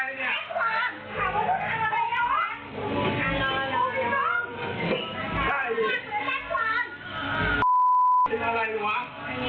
แล้วผมว่าอะไร